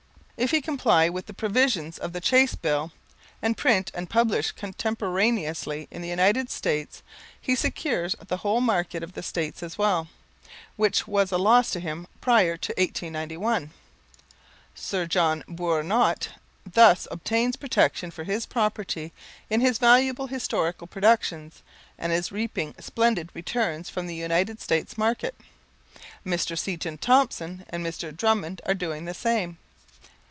If he comply with the provisions of the Chace Bill, and print and publish contemporaneously in the United States, he secures the whole market of the States as well, which was a loss to him prior to 1891. Sir John Bourinot thus obtains protection for his property in his valuable historical productions, and is reaping splendid returns from the United States market. Mr. Seton Thompson and Dr. Drummond are doing the same.